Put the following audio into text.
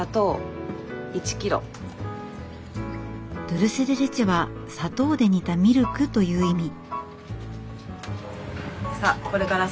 ドゥルセデレチェは砂糖で煮たミルクという意味。